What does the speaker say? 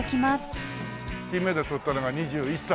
金メダル取ったのが２１歳。